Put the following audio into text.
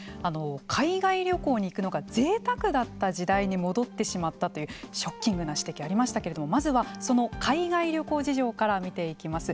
海外旅行に行くのがぜいたくだった時代に戻ってしまったというショッキング指摘がありましたけれどもまずはその海外旅行事情から見ていきます。